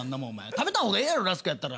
食べたほうがええやろラスクやったら。